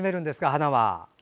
花は。